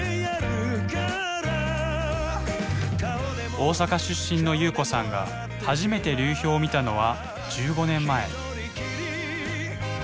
大阪出身の夕子さんが初めて流氷を見たのは１５年前。